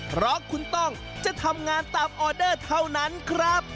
เพราะคุณต้องจะทำงานตามออเดอร์เท่านั้นครับ